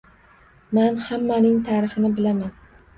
Man hammaning tarixini bilaman